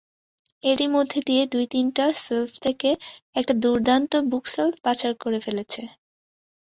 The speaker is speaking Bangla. এরই মধ্যে দিয়া দুই-তিনটা শেলফ থেকে একটা দুর্দান্ত বুকশেলফ বাছাই করে ফেলেছে।